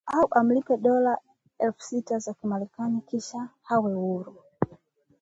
Au amlipe dola elfu sita za Kimarekani kisha awe huru